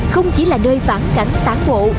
không chỉ là nơi phản cảnh tán bộ